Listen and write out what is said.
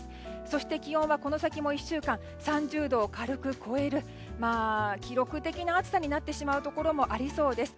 そして気温はこの先も１週間３０度を軽く超える記録的な暑さになってしまうところもありそうです。